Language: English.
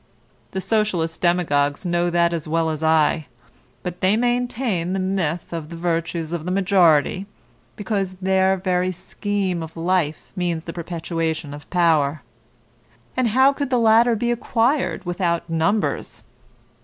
The Socialist demagogues know that as well as I, but they maintain the myth of the virtues of the majority, because their very scheme of life means the perpetuation of power. And how could the latter be acquired without numbers?